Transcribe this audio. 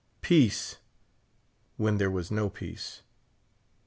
peace !" when there was no peace.